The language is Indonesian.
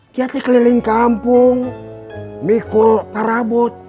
dia dikeliling kampung mikul tarabut